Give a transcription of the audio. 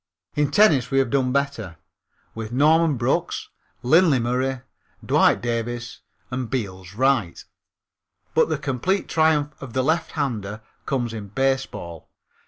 In tennis we have done better, with Norman Brookes, Lindley Murray, Dwight Davis and Beals Wright. But the complete triumph of the lefthander comes in baseball.